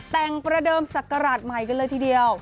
แต่งประเดิมศักราชใหม่กันเลยทีเดียว